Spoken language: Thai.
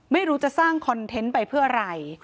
ไม่รู้จะสร้างคอนเทนต์ไปเพื่ออะไร